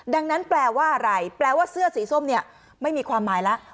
ดังนั้นแปลว่าอะไรแปลว่าเสื้อสีส้มเนี่ยไม่มีความหมายแล้ว